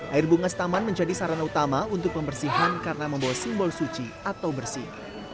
air bunga setaman menjadi sarana utama untuk pembersihan karena membawa simbol suci atau bersih